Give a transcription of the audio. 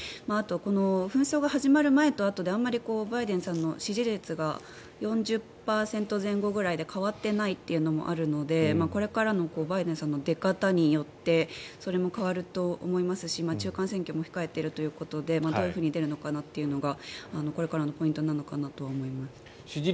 あと、紛争が始まる前とあとであまりバイデンさんの支持率が４０％前後ぐらいで変わってないというのもあるのでこれからのバイデンさんの出方によってそれも変わると思いますし中間選挙も控えているということでどう出るのかなというのがこれからのポイントになるのかと思います。